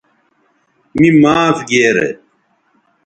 می معاف گیرے